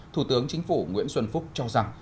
thủ tướng chính phủ nguyễn xuân phúc cho rằng